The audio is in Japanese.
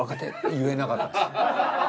言えなかったです。